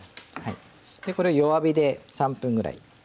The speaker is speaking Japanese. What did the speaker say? これを弱火で３分ぐらい煮ます。